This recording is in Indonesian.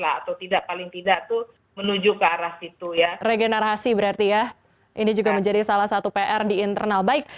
ada apa pembaruan juga di dalam pendidikan di klub ya